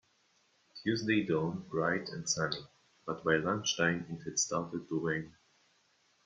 Tuesday dawned bright and sunny, but by lunchtime it had started to rain